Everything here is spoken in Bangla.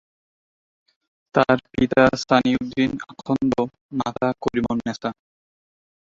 তাঁর পিতা সানিউদ্দিন আখন্দ, মাতা করিমুন্নেছা।